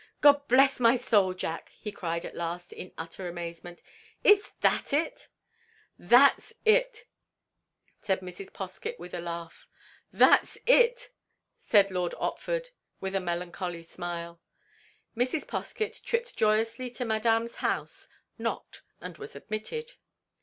"Gobblessmysoul, Jack!" he cried at last, in utter amazement, "Is that it?" "That's it!" said Mrs. Poskett, with a laugh. "That's it!" said Lord Otford, with a melancholy smile. Mrs. Poskett tripped joyously to Madame's house; knocked, and was admitted.